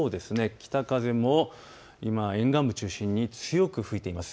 北風も沿岸部中心に強く吹いています。